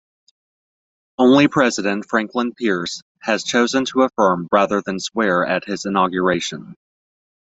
Only President Franklin Pierce has chosen to affirm rather than swear at his inauguration.